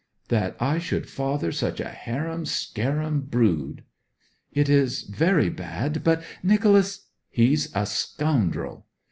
'That I should father such a harum scarum brood!' 'It is very bad; but Nicholas ' 'He's a scoundrel!'